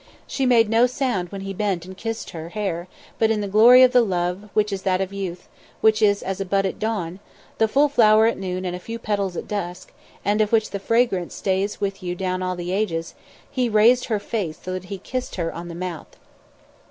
She made no sound when he bent and kissed her hair, but in the glory of the love which is that of youth, which is as a bud at dawn, the full flower at noon and a few petals at dusk, and of which the fragrance stays with you down all the ages, she raised her face so that he kissed her on the mouth.